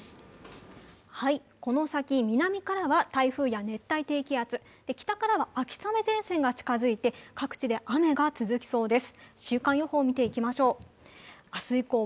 この先、南からは台風や熱帯低気圧、北からは秋雨前線が近づいて各地で雨が続きそうです。